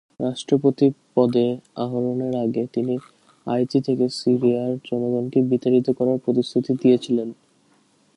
রাষ্ট্রপতি পদে আরোহণের আগে, তিনি হাইতি থেকে সিরিয়ার জনগণকে বিতাড়িত করার প্রতিশ্রুতি দিয়েছিলেন।